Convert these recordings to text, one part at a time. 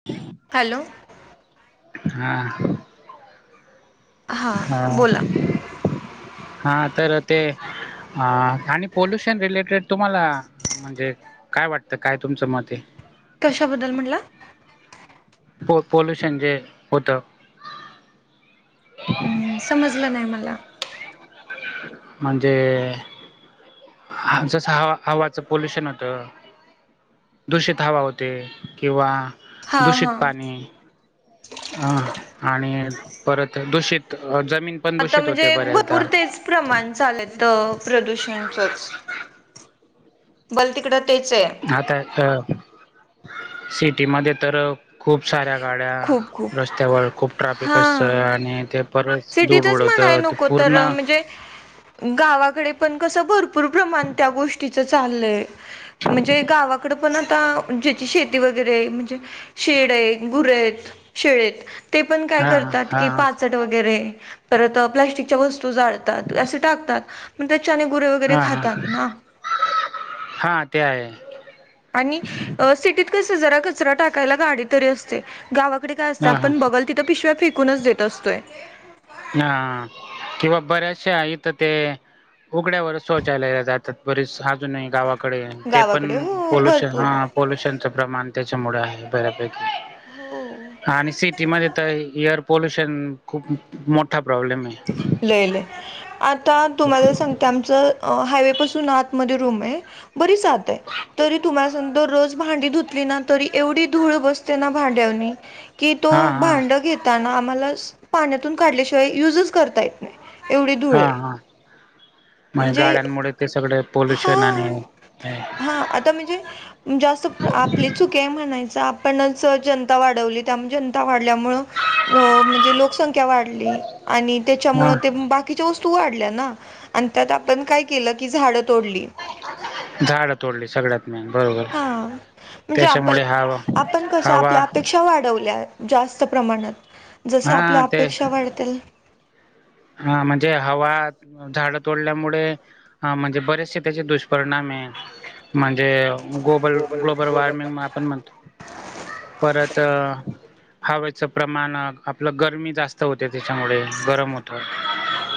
[unintelligible] Hello. हा. हा. हां बोला हा तर ते हा आणि पोल्युशन रिलिटेड तुम्हाला म्हणजे काय वाटतं काय तुमचं मत हे? कशाबद्दल म्हणला? पो पोल्युशन जे होतं. हम्म समजलं नाय मला. म्हणजे आमच सहावा हवाचा पोल्युशन होतं. दूषित हवा होते किंवा हा हा दूषित पाणी आहं आणि परत दूषित जमीन पण आता दूषित होते म्हणजे बऱ्याचदा भरपुर तेच प्रमाण चालतं प्रदूषणचच. बल तिकडं तेच आहे. हा ताय तर सिटीमध्ये तर खूप साऱ्या गाड्या खूप खूप रस्त्यावर खूप ट्राफिक हा असं आणि ते परस धुर सिटीतच म्हणाय उडवतत नको तर पूर्ण म्हणजे गावाकडे पण कसं भरपूर प्रमाण त्या गोष्टीच चाललंय. म्हणजे गावाकडं पण आता ज्याची शेती वगैरे म्हणजे शेत डे गुरे हायत शेळी आहेत ते पण काय हा करतात हा की हा पाचट ट वैगेरे परत प्लॅस्टिकच्या वस्तू जाळतात असे टाकतात. पण त्याच्याने गुरे वगैरे हा हा खातात हा ना. हा ते आहे आणि सिटीत कसं जरा कचरा टाकायला गाडी तरी असते गावात कडे काय असतं हा हा आपण बगल तिथं पिशव्या फेकूनच देत असतोय. हा किंवा बऱ्याचशा इथं ते उघड्यावर शौचायला जात तात बरीस अजून आहे गावाकडे ते पण गावाकडे हो पोल्युशन भरपूर हा. पॉल्युशनचं प्रमाण त्याच्यामुळे आहे बऱ्यापैकी. हो. आणि सिटीमध्ये तर एअर पॉल्युशन खूप मोठा प्रॉब्लेम आहे. लय लय आता तुम्हाला सांगते आमचं हायवे पासून आतमध्ये रूम आहे बरी जात आहे तरी तुम्हा सांगतो भांडी धुत तली तरी एवढी धूळ बसते ना भांड्यानी की तो हा हा भांड घेत ताना आम्हालास पाण्यातून काढल्याशिवाय युजच करता येत नाही एवढी धुळ हा आहे. हा म्हणजे गाड्यांमुळे ते सगळे हा पोल्युशन आणि हा आता म्हणजे जास्त आपली चुकी आहे म्हणायचं आपणच जनता वाढवली त्याम जनता वाढल्यामुळं अ म्हणजे लोकसंख्या वाढली आणि हा त्याच्यामुळं ते बाकीच्या वस्तू वाढल्या ना आणि त्यात आपण काय केलं की झाडं तोडली. झाडं तोडली सगळ्यात. नाही बरोबर हां, म्हणजे त्याच्यामुळे हवा हवा क्षा वाढवल्या जास्त प्रमाणात जसे हा आपल्या ते अपेक्षा वाढतेल हा म्हणजे हवा झाडं तोडल्यामुळे हा म्हणजे बरेचशे त्याचे दुष्परिणाम आहे म्हणजे गोबल ग्लोबल वॉर्मिंग म आपण म्हणतो परत हवेचं प्रमाणक आपलं गरमी जास् त होते त्याच्यामुळे गरम होत,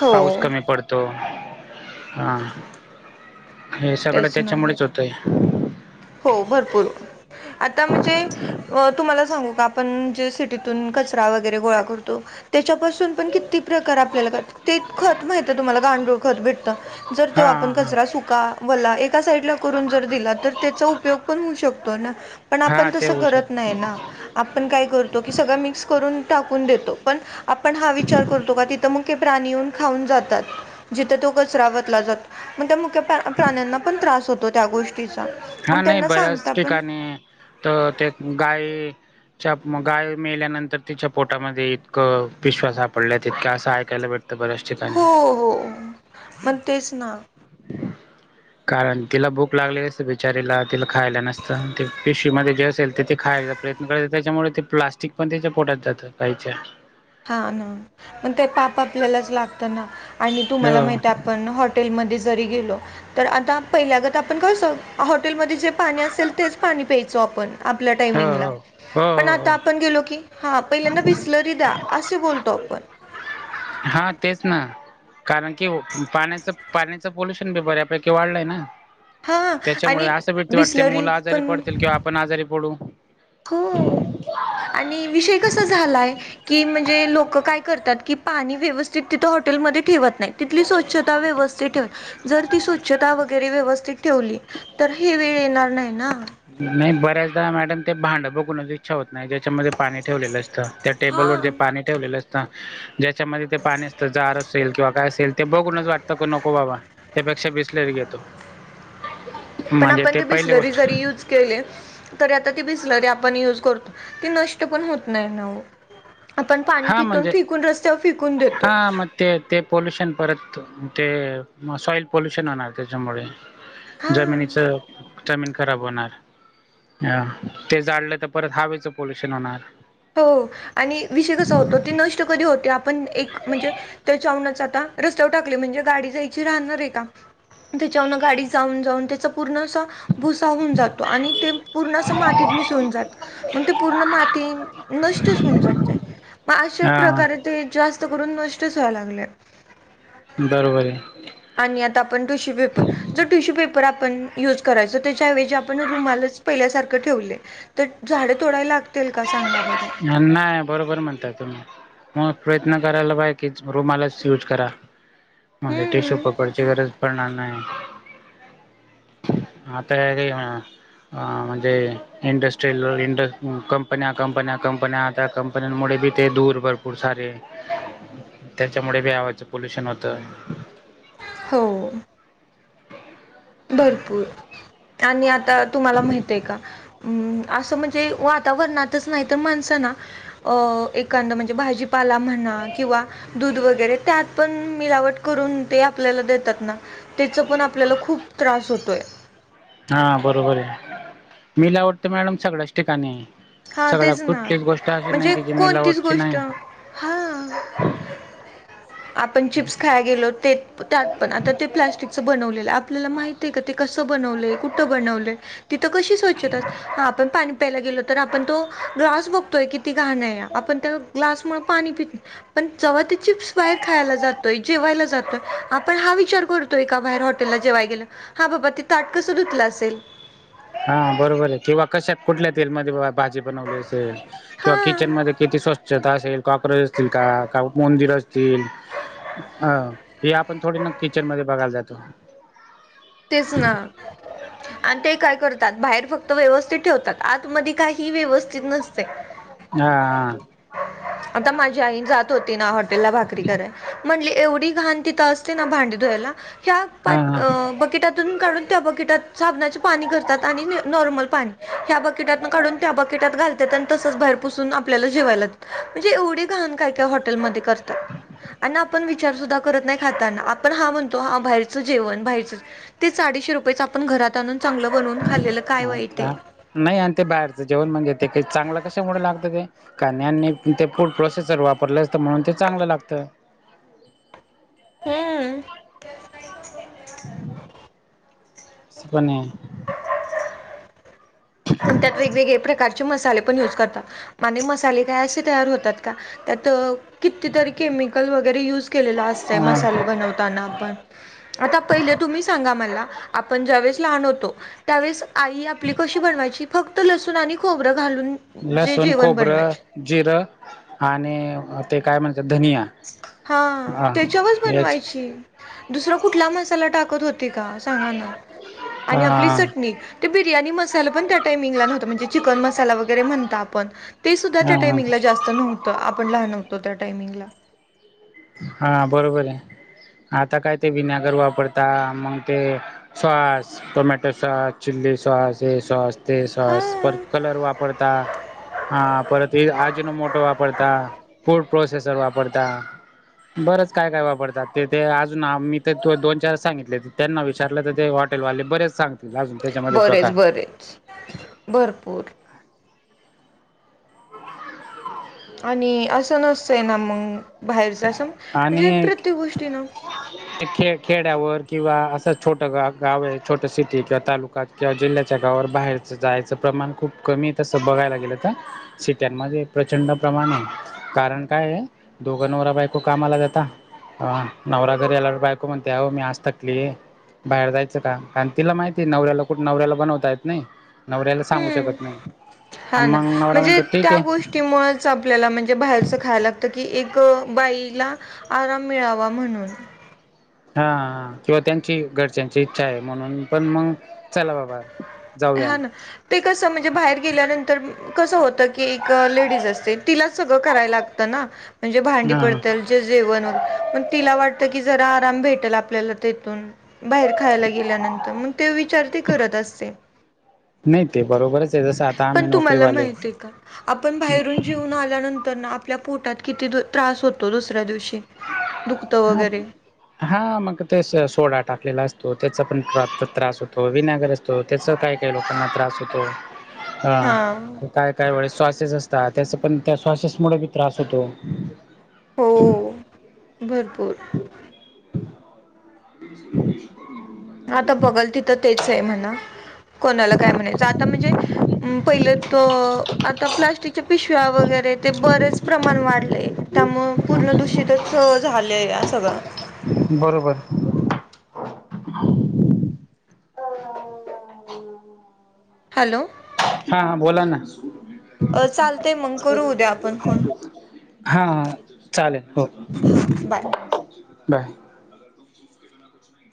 हो, पाऊस कमी पड तो, हा हे सगड तेच ना. त्याच्यामुळेच होतंय. हो भरपूर आता म्हणजे अ तुम्हाला सांगू का आपण जे सिटीतून कचरा वगैरे गोळा करतो त्याच्यापासून पण किती प्रकार आपल्याला करतात, ते खत माहित तुम्हाला गांडूळ खत भेटत. जर तो हा आपण हा कचरा सुका, वला एका साईड ला करून जर दिला तर त्याचा उपयोग पण होऊ शकतो ना, पण हा हा आपण ते तस होऊ शकत. करत नाही ना आपण काय करतो की सगळं मिक्स करून टाकून देतो पण आपण हा विचार करतो का?, तिथं मुके प्राणी येऊन खाऊन जातात. जिथ तो कचरा वतला जातो, मग त्या मुक्या प्राण्यांना पण त्रास होतो त्या गोष्टीचा. हा आणि नाही, त्यांना बऱ्याच सांगता पण ठिकाणी तर ते गाय चाप म, गाय मेल्यानंतर तिच्या पोटामध्ये इतकं पिशव्या सापडल्या तितक्या असं ऐकायला भेटतं बऱ्याच ठिकाणी. हो हो, पण तेच ना [unintelligible] कारण तिला भूक लागलेली असते, बिचारीला तिला खायला नसतं ती पिशवी मध्ये जे असेल ते ती खायला प्रयत्न करायचा त्याच्यामुळे ते प्लास्टिक पण त्याच्या पोटात जात गाईच्या. हा ना, पण ते पाप आपल्यालाच लागत ना आणि तुम्हाला हो हो माहिती आप पण हॉटेलमध्ये जरी गेलो तर आता पहिल्यागत आपण कस, हॉटेलमध्ये जे पाणी असेल तेच पाणी प्यायचो आपण आपल्या टायमिंगला, हो हो पण हो आता आपण गेलो की हा पहिल्यांदा बिसलरी द्या असे बोलतो आपण. हा तेच ना. कारण कि पाण्याच, पाण्याच पोल्युशन बी बऱ्यापैकी वाढलंय ना. हां त्याच्यामुळ आणि असं भीती वाटते, बिसलरी मुलं आजारी पण पडतील किंवा आपण आजारी पडू. हो, आणि विषय कसा झालाय की म्हणजे लोक काय करतात, की पाणी व्यवस्थित तिथं हॉटेलमध्ये ठेवत नाही तिथली स्वच्छता व्यवस्थित ठेवत, जर ती स्वच्छता वगैरे व्यवस्थित ठेवली, तर ही वेळ येणार नाही ना. नाही बऱ्याचदा मॅडम ते भांडं बघूनच इच्छा होत नाही, ज्याच्यामध्ये पाणी ठेवलेलं असतं त्या टेबल हा वर जे पाणी ठेवलेलं असत, ज्याच्यामध्ये ते पाणी असतं जार असेल किंवा काय असेल ते बघूनच वाटतं का नको बाबा त्यापेक्षा बिसलरी घेतो. पण म्हणजे आपण ते पहिली बिसलरी गोष्ट जरी यूज केले, तरी आता ती बिसलरी आपण युज करतो ती नष्ट पण होत नाही ना ओ. आपण पाणी हा पितो अन म्हणजे फेकून रस्त्यावर फेकून देतो. हा मग ते ते पोल्यूशन परत ते, सॉइल पोल्यूशन होणार त्याच्यामुळे. हा जमिनीच जमीन खराब होणार, अ ते जाळलं तर परत हवेचं पोल्युशन होणार. हो, आणि विषय कसा होतो ती नष्ट कधी होते आपण एक म्हणजे त्याच्या कुण्याचा आता रस्त्यावर टाकली म्हणजे गाडी जायची राहणार आहे का? आणि त्याच्यावरन गाडी जाऊन जाऊन त्याच पूर्ण अस भुसा होऊन जातो, आणि ते पूर्ण अस मातीत मिसळून जात, मग ते पूर्ण माती नष्टच होऊन जातय, मग अशे हा प्रकार ते जास्त करून नष्टच व्हायला लागले. बरोबर आहे. आणि आता आपण टिश्यू पेपर, जर टिश्यू पेपर आपण युज करायच त्याच्या एवेजी आपण रुमालाच पहिल्यासारखं ठेवले, तर झाड तोडायला लाग [unintelligible] बरोबर म्हणता तुम्ही मग प्रयत्न करायला पाय की रुमालाच यूज करा. माग टीशू हम्म पकडची गरज पडणार नाही. हा तयारी हे ना, म्हणजे इंडस्ट्रियल इंडं कंप कंपन्या, कंपन्या, कंपन्या आता कंपन्यांमुळे बी ते दूर भरपूर सारे त्याच्यामुळे बी आवाचं पोल्युशन होतं. हो. भरपूर [inaudible] आणि आता तुम्हाला माहित आहे का? असं म्हणजे वातावरणातच नाही तर माणसं ना अ एखाद म्हणजे भाजी पाला म्हणा किंवा दूध वगैरे त्यात पण मिलावट करून ते आपल्याला देतात ना, त्याच पण आपल्याला खूप त्रास होतोय. हा बरोबर आहे मिलावट तर मॅडम सगळ्याच ठिकाणी हे. हा तेच ना, म्हणजे जी कोणतीच मिलावटची गोष्ट नाही हा आपण चिप्स खाय गेलो ते त्यात पण आता ते प्लास्टिकच बनवलेलं आपल्याला माहित आहे का? ते कसं बनवलंय. कुठं बनवलंय. तिथं कशी स्वच्छता आपण पाणी प्यायला गेलो तर आपण तो ग्लास बोघतोय की, ती घाण हे नाही आपण त्या ग्लासमुळे पाणी पीत पण जव्हा ते चिप्स बाहेर खायला जातोय जेवायला जातोय आपण हा विचार करू एका बाहेर हॉटेलला जेवाय गेलं हा बाबा ति ताटकसधुतलं असेल. हा बरोबर आहे किंवा, कशा कुठल्या? तेल मध्ये बा भाजी बनवली असेल. किंवा हां किचन मध्ये किती स्वच्छता असेल कॉक्रोच असतील का, का उंदीर असतील. अ! हे आपण थोडी ना किचन मध्ये बघायला जातो. तेच ना. [unintelligible] आणि ते काय करतात बाहेर फक्त व्यवस्थित ठेवतात, आत मध्ये काही व्यवस्थित नसते. हा... आता माझी आई जात होती ना हॉटेलला भाकरी कराय, म्हंणली एवढी घाण तिथं असती. भांडी धुयला ह... हा बकिटातून काढून त्या बकिटात साबणाचे पाणी करतात आणि नॉर्मल पाणी ह्या बकिटातून काढून. त्या बकेटात घालतात आणि तस च बाहेरपुसून आपल्याला जेवायला म्हणजे एवढी घाण काय काय हॉटेलमध्ये करतात. ह.... अन्न आपण विचार सुद्धा करत नाही खाताना आपण हा म्हणतो बाहेरचं जेवण बाहेरचजेवण. तेच अडीशे रुपयेआपण घरात आणून चांगलं बनवून खालेलं काय वाईट आहे. हा नाही आणि ते बाहेरचं जेवण म्हणजे ते चांगलं कशामुळे लागतं ते. कन्यानी ते फूड प्रोसेसर वापरल असतं म्हणून ते चांगलं लागतं. हम्म.... अस पण हे! पण त्यात वेगवेगळे प्रकारचे मसाले पण युज करतात. आणि मसाले काय असे तयार होतात का त्यात अ. कितीतरी केमिकल वगैरे यूज केलेल असतंय मसाला आहे बनवताना पण. आता पहिले तुम्ही सांगा मला, आपण ज्यावेळेस लहान होतो त्यावेळेस. आई आपली कशी बनवायची फक्त लसूण आणि खोबरं घालून. जे लसूण जेवण बनवायचे खोबरं जिरं आणि ते काय म्हणत्यात धनिया. हा हा त्याच्यावरच याच बनवायची. दुसर कुठला मसाला टाकत होती का सांगा ना, आणि आपली हा चटणी ते बिर्याणी मसाला पण त्या टाइमिंगला नव्हतं म्हणजे चिकनं मसाला वगैरे म्हणता आपण ते सुद्धा हा त्या हा टायमिंगला जास्त नव्हतं, आपण लहान होतो त्या टायमिंगला. हा बरोबर आहे, आता काय ते विनॅगर वापरता मंग ते sauce, tomato sauce, chilli sauce, हे सॉस ते हा सॉस परत कलर वापरता, आ परत हे अजीणोर्मोटो वापरता, फूड प्रोसेसर वापरता. बरंच काय-काय वापरतात ते, ते अजून मी तर त दोन चार सांगितले त्यांना विचारलं तर ते वाट हॉटेल वाले बरेच सांग बरेच- बरेच, भरपूर आणि असं नसतंय ना, मंग बाहेरच असं म्हणजे प्रत्येक गोष्टी ना ते खेड- खेड्यावर किंवा असं छोट गा- गाव ये, छोट सिटी किंवा तालुका किंवा जिल्ह्याच्या गावावर बाहेरच जायचं प्रमाण खूप कमी तसं बघायला गेलं तर. सिट्यानमध्ये प्रचंड प्रमाण आहे, कारण काय आहे? व नवरा बायको कामाला जाता, अ नवरा घरी आल्यावर बायको म्हणते आहो मी आज थकली आहे. बाहेर जायचं का? कारण तिला माहिती ये नवऱ्याला कुठं, नवऱ्याला बनवता येत नाही. नवऱ्याला सांगू हम्म शकत नाही, आ हा ना मंग नवरा म्हणजे म्हणतो ठीक त्या ये गोष्टीमुळेच आपल्याला म्हणजे बाहेरच खायला लागतं, की एक बाईला आराम मिळावा म्हणून. हा किंवा त्यांची घरच्यांची इच्छा आहे, म्हणून पण मंग चला बाबा. जाऊया हा ना ते कसं म्हणजे बाहेर गेल्यानंतर कसं होत की एक लेडीज असते, तिला सगळं करायला लागतं ना म्हणजे भांडी हा पडत्याल जे-जेवण म तिला वाटत की जरा आराम भेटेलं आपल्याला तिथून. बाहेर खायला गेल्यानंतर मग ते विचार ती करत असते. नही ते बरोबरच आहे जसं आत पण तुम्हाला माहिती का, आपण बाहेरून जेऊन आल्यानंतर ना आप आपल्या पोटात किती दु त्रास होतो, दुसऱ्या दिवशी दुखःतं हा वगैरे हा मग ते सोडा टाकलेला असतो, त्याचा पण प्रा त्रास होतो, विनॅगर असतं त्याच काय -काय लोकांना त्रास होतो. हा त काय-काय वेळेस सॉसेस असततात, त्याचा पण त्या सॉसेस मुळे बी त्रास होतो. हो, भरपूर. [inaudible] आता बघलं तिथं तेच आहे म्हणा, कोणाला काय म्हणायचं, आता म्हणजे मं पहिले तो आता प्लास्टिकच्या पिशव्या वगैरे ते बरेच प्रमाण वाढलंय. त्यामुळ पूर्ण दूषितच झालं या सगळं. बरोबर, हॅलो, हा-हा, बोला ना अ चालतेय मंग करू उद्या आपण फोन. हा-हा, चालेलं हो हां बाय बाय.